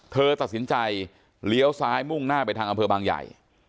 เธอตัดสินใจเลี้ยวซ้ายมุ่งหน้าไปทางอำเภอบางใหญ่